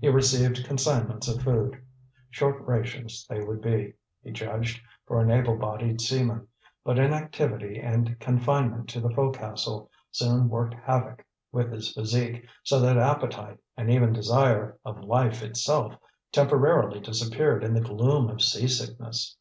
He received consignments of food; short rations they would be, he judged, for an able bodied seaman. But inactivity and confinement to the fo'cas'le soon worked havoc with his physique, so that appetite, and even desire of life itself, temporarily disappeared in the gloom of seasickness.